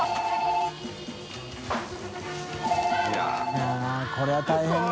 いやぁこれは大変だ。